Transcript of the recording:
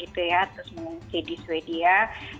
terus mengungsi di sweden